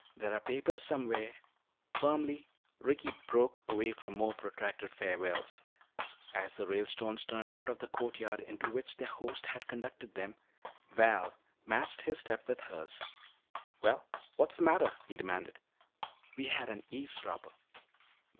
There are papers somewhere." Firmly Ricky broke away from more protracted farewells. As the Ralestones turned out of the courtyard into which their host had conducted them, Val matched his step with hers. "Well? What's the matter?" he demanded. "We had an eavesdropper."